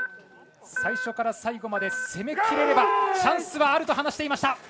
最初から最後まで攻め切れればチャンスはあると話していました。